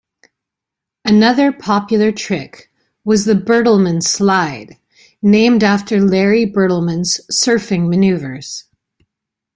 Another popular trick was the Bertlemann slide, named after Larry Bertelemann's surfing manoeuvres.